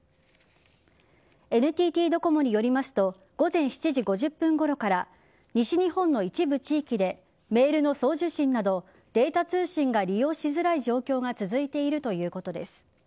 ＮＴＴドコモによりますと午前７時５０分ごろから西日本の一部地域でメールの送受信などデータ通信が利用しづらい状況が続いているということです。